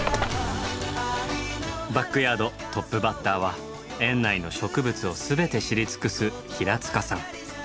バックヤードトップバッターは園内の植物を全て知り尽くす平さん。